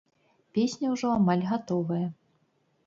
Песня ўжо амаль гатовая.